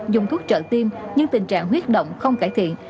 dùng thuốc trợ tim nhưng tình trạng huyết động không cải thiện